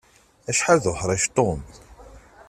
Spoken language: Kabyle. Acḥal d uḥṛic Tom!